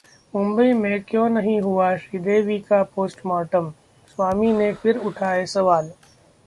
मुंबई में क्यों नहीं हुआ श्रीदेवी का पोस्टमार्टम, स्वामी ने फिर उठाए सवाल